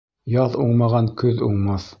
Яҙ уңмаған көҙ уңмаҫ.